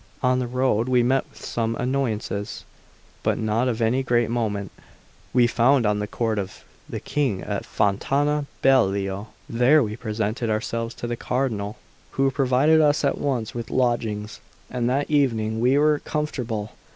On the road we met with some annoyances, but not of any great moment. We found the Court of the King at Fontana Beliò; there we presented ourselves to the Cardinal, who provided us at once with lodgings, and that evening we were comfortable.